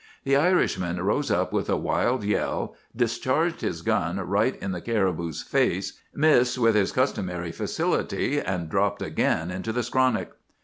The Irishman rose up with a wild yell, discharged his gun right in the caribou's face, missed with his customary facility, and dropped again into the skronnick.